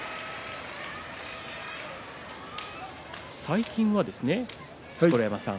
最近はですね、錣山さん